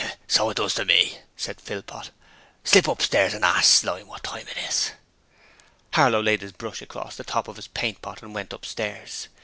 'So it does to me,' said Philpot; 'slip upstairs and ask Slyme what time it is.' Harlow laid his brush across the top of his paint pot and went upstairs.